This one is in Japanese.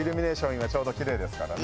今ちょうどキレイですからね。